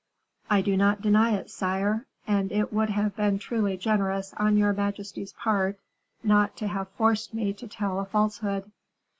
"I do not deny it, sire, and it would have been truly generous on your majesty's part not to have forced me to tell a falsehood."